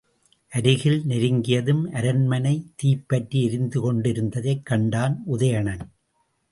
அருகில் நெருங்கியதும் அரண்மனை தீப்பற்றி எரிந்து கொண்டிருந்ததைக் கண்டான் உதயணன்.